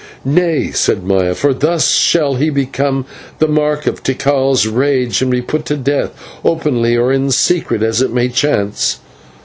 "Nay," said Maya, "for thus shall he become the mark of Tikal's rage and be put to death openly or in secret, as it may chance."